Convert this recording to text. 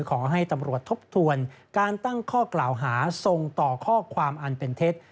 ขอให้ตำรวจทบทวนการตั้งข้อกล่าวหาส่งต่อข้อความอันเป็นเท็จ